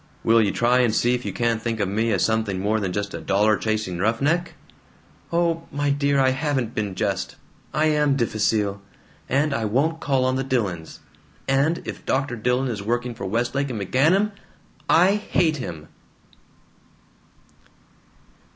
"Will you try and see if you can't think of me as something more than just a dollar chasing roughneck?" "Oh, my dear, I haven't been just! I AM difficile. And I won't call on the Dillons! And if Dr. Dillon is working for Westlake and McGanum, I hate him!"